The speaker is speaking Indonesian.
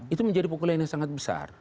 itu menjadi pukulannya sangat besar